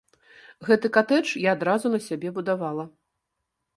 Гэты катэдж я адразу на сябе будавала.